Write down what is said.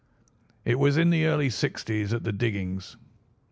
"It was in the early '60's at the diggings.